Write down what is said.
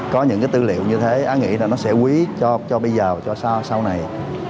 có những cái tư liệu như thế á nghĩ là nó sẽ quý cho bây giờ cho sau này